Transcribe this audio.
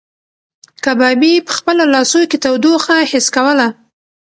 کبابي په خپلو لاسو کې تودوخه حس کوله.